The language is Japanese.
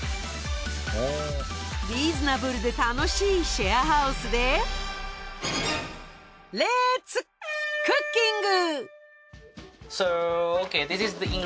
リーズナブルで楽しいシェアハウスでレッツクッキング！